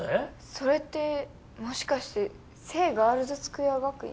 それってもしかして聖ガールズスクエア学院？